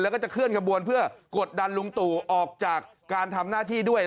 แล้วก็จะเคลื่อนขบวนเพื่อกดดันลุงตู่ออกจากการทำหน้าที่ด้วย